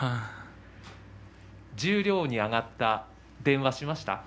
十両に上がった時電話しましたか？